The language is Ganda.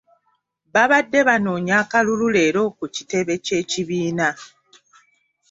Babadde banoonya akalulu leero ku kitebe ky’ekibiina.